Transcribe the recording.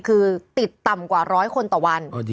คือติดต่ำกว่าร้อยคนต่อวัน